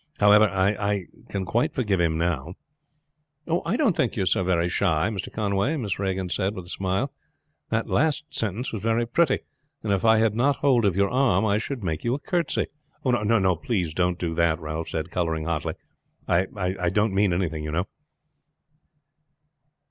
However, I can quite forgive him now." "I don't think you are so very shy, Mr. Conway," Miss Regan said with a smile. "That last sentence was very pretty, and if I had not hold of your arm I should make you a courtesy." "No, please don't do that," Ralph said, coloring hotly. "I didn't mean anything, you know."